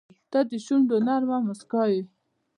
• ته د شونډو نرمه موسکا یې.